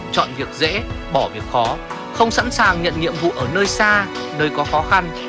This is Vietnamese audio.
chọn việc dễ bỏ việc khó không sẵn sàng nhận nhiệm vụ ở nơi xa nơi có khó khăn